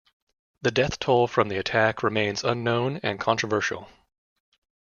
The death toll from the attack remains unknown and controversial.